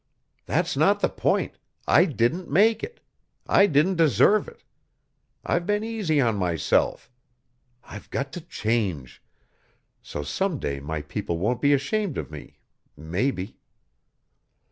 "That's not the point; I didn't make it; I didn't deserve it; I've been easy on myself; I've got to change; so some day my people won't be ashamed of me maybe."